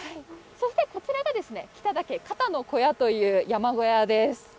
そしてこちらが、北岳肩の小屋という山小屋です。